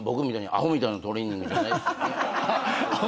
アホみたいなトレーニングなんですか？